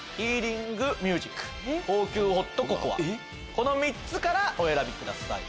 この３つからお選びください。